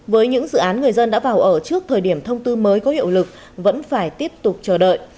với những dự án người dân đã vào ở trước thời điểm thông tư mới có hiệu lực vẫn phải tiếp tục chờ đợi